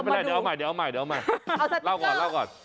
ไม่เป็นไรเดี๋ยวเอาใหม่เล่าก่อน